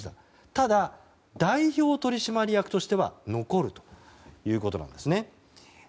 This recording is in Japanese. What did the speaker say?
ただ、代表取締役としては残るということです。